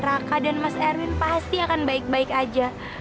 raka dan mas erwin pasti akan baik baik aja